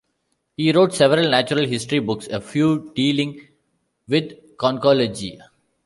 He wrote several natural history books, a few dealing with conchology.